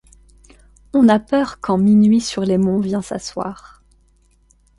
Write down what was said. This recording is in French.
On a peur quand minuit sur les monts vient s’asseoir.